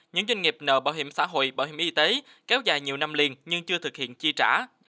những doanh nghiệp nợ bảo hiểm xã hội bảo hiểm y tế kéo dài nhiều năm liền nhưng chưa thực hiện chi trả